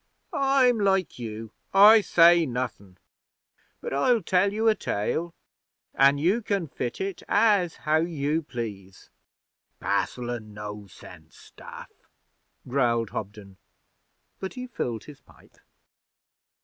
'I'm like you. I say nothin'. But I'll tell you a tale, an' you can fit it as how you please.' 'Passel o' no sense stuff,' growled Hobden, but he filled his pipe.